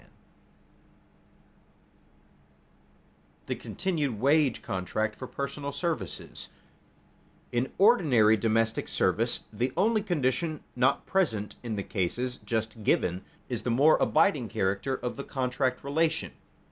[Sidenote: The continued wage contract for personal services] In ordinary domestic service the only condition not present in the cases just given is the more abiding character of the contract relation.